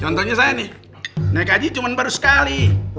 contohnya saya nih naik haji cuma baru sekali